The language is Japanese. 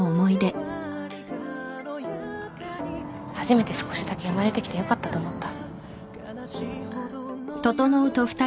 初めて少しだけ生まれてきてよかったと思った。